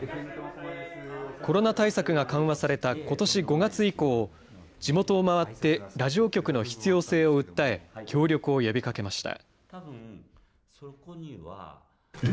コロナ対策が緩和されたことし５月以降、地元を回って、ラジオ局の必要性を訴え、協力を呼びかけました。